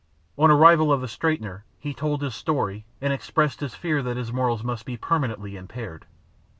On the arrival of the straightener he told his story, and expressed his fear that his morals must be permanently impaired.